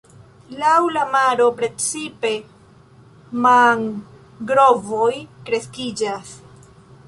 Laŭ la maro precipe mangrovoj kreskiĝas.